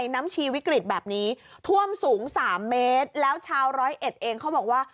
ชีวิกฤตแบบนี้ท่วมสูง๓เมตรแล้วชาวร้อยเอ็ดเองเขาบอกว่า